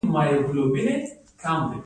د هلمند په کجکي کې د مرمرو نښې شته.